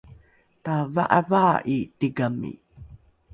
tava’avaa’i tigami